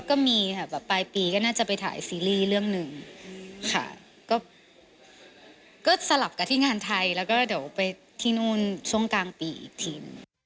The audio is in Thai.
ก็มีค่ะแบบปลายปีก็น่าจะไปถ่ายซีรีส์เรื่องหนึ่งค่ะก็สลับกับที่งานไทยแล้วก็เดี๋ยวไปที่นู่นช่วงกลางปีอีกที